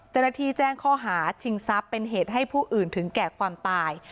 เจ้าหน้าที่แจ้งข้อหาชิงทรัพย์เป็นเหตุให้ผู้อื่นถึงแก่ความตาย